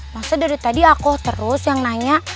maksudnya dari tadi aku terus yang nanya